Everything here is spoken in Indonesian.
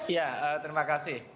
ya terima kasih